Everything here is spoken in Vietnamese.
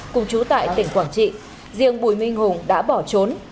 cùng chú tại tỉnh quảng trị riêng bùi minh hùng đã bỏ trốn